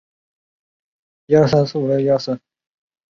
担仔面是一种发源于台湾台南的小吃。